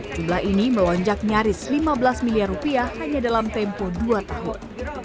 jumlah ini melonjak nyaris lima belas miliar rupiah hanya dalam tempo dua tahun